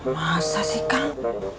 masa sih kang